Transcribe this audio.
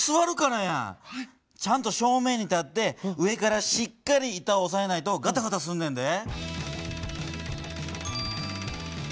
ちゃんと正面に立って上からしっかり板をおさえないとガタガタすんねんで。